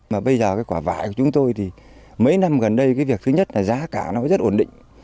mà bây giờ cái quả vải của chúng tôi thì mấy năm gần đây cái việc thứ nhất là giá cả nó rất ổn định